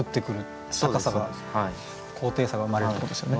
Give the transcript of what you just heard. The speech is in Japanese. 高さが高低差が生まれるってことですよね。